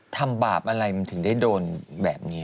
ทำบาปอะไรมันถึงได้โดนแบบนี้